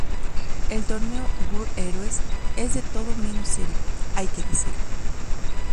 El torneo World Heroes es de todo menos serio, hay que decirlo.